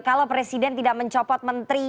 kalau presiden tidak mencopot menteri